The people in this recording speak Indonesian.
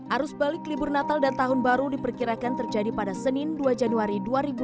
arus balik libur natal dan tahun baru diperkirakan terjadi pada senin dua januari dua ribu dua puluh